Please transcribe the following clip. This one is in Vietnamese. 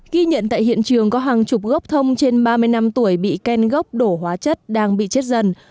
ghi nhận tại hiện trường có hàng chục gốc thông trên ba mươi năm tuổi bị ken gốc đổ hóa chất đang bị chết dần